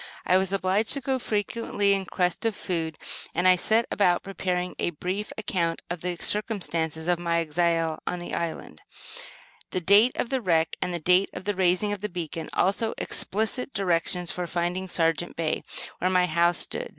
I was obliged to go frequently in quest of food, and I set about preparing a brief account of the circumstances of my exile in the island, the date of the wreck and the date of the raising of the beacon; also, explicit directions for finding "Sargent" Bay, where my house stood.